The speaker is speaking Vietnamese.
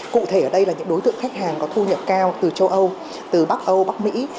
cụ thể ở đây là những đối tượng khách hàng có thu nhập cao từ châu âu từ bắc âu bắc mỹ